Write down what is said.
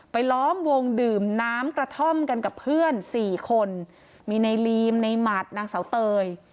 ล้อมวงดื่มน้ำกระท่อมกันกับเพื่อนสี่คนมีในลีมในหมัดนางเสาเตย